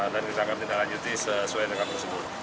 dan kita akan menganjuti sesuai dengan prosedur